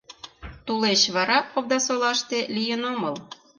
Тулеч вара Овдасолаште лийын омыл.